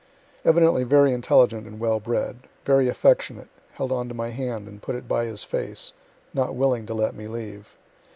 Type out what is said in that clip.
Evidently very intelligent and well bred very affectionate held on to my hand, and put it by his face, not willing to let me leave.